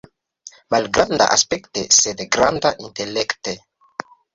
Malgranda aspekte, sed granda intelekte.